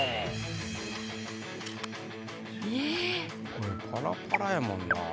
これパラパラやもんな。